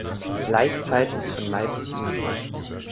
Laichzeit ist von Mai bis Juni.